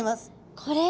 これ。